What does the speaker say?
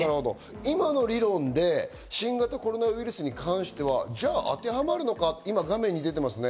今の理論で新型コロナウイルスに関してはじゃあ当てはまるのか、画面に出てますね。